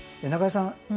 中江さん